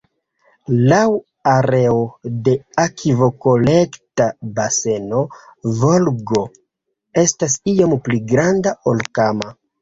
Laŭ areo de akvokolekta baseno Volgo estas iom pli granda ol Kama.